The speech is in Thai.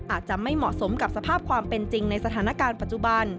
อาจจะไม่เหมาะสมกับสภาพความเป็นจริงในสถานการณ์ปัจจุบัน